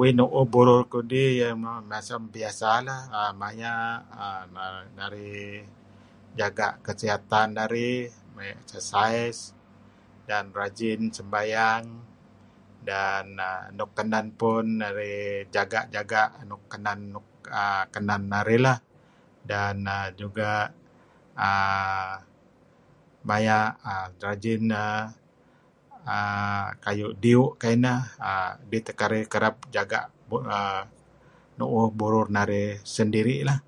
Uih nu'uh burur kudih macam biasa lah [er er] jaga' kesihatan narih, rajin excercise dan rajin sembayang dan nuk kenen pun narih jaga-jaga nuk kenen narih lah, dan juga maya err rajin err kayu' diyu' kayu' ineh, kidih teh kereb jaga' nu'uh burur narih sendiri' lah.